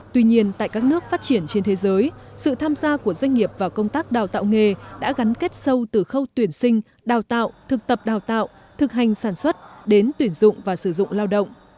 tuy nhiên tại các nước phát triển trên thế giới sự tham gia của doanh nghiệp vào công tác đào tạo nghề đã gắn kết sâu từ khâu tuyển sinh đào tạo thực tập đào tạo thực hành sản xuất đến tuyển dụng và sử dụng lao động